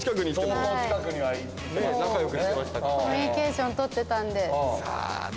コミュニケーションとってたんで。